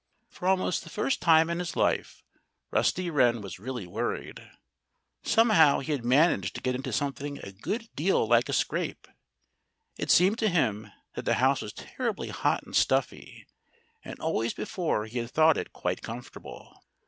For almost the first time in his life Rusty Wren was really worried. Somehow, he had managed to get into something a good deal like a scrape. It seemed to him that the house was terribly hot and stuffy; and always before he had thought it quite comfortable.